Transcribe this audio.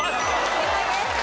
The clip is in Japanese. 正解です。